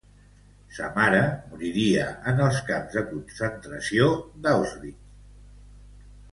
Sa mare moriria en els camps de concentració d'Auschwitz.